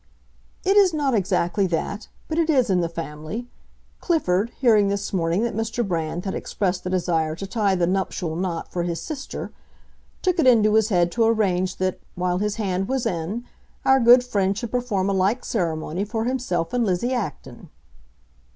"It is not exactly that; but it is in the family. Clifford, hearing this morning that Mr. Brand had expressed a desire to tie the nuptial knot for his sister, took it into his head to arrange that, while his hand was in, our good friend should perform a like ceremony for himself and Lizzie Acton."